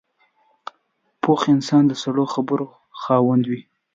پوخ انسان د سړو خبرو خاوند وي